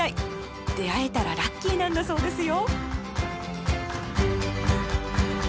出会えたらラッキーなんだそうですよ。